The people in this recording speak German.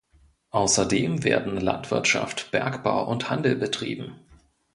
Außerdem werden Landwirtschaft, Bergbau und Handel betrieben.